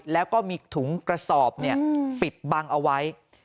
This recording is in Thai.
แล้วก็มีถุงกระสอบปิดบังเอาไว้